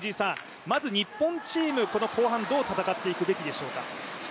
まず、日本チーム、後半どう戦っていくべきでしょうか。